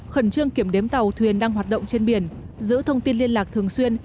khẩn trương kiểm đếm tàu thuyền đang hoạt động trên biển giữ thông tin liên lạc thường xuyên